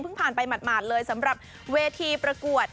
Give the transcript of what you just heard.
ผ่านไปหมาดเลยสำหรับเวทีประกวด